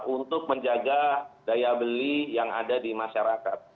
untuk menjaga daya beli yang ada di masyarakat